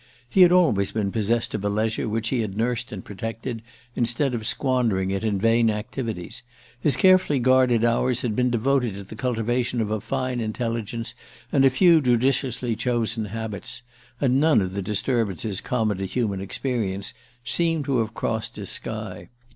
He had always been possessed of a leisure which he had nursed and protected, instead of squandering it in vain activities. His carefully guarded hours had been devoted to the cultivation of a fine intelligence and a few judiciously chosen habits; and none of the disturbances common to human experience seemed to have crossed his sky.